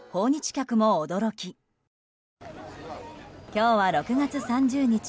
今日は６月３０日。